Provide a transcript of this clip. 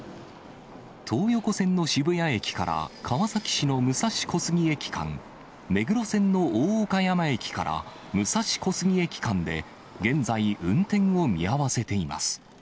東横線の渋谷駅から川崎市の武蔵小杉駅間、目黒線の大岡山駅から武蔵小杉駅間で現在運転を見合わせています。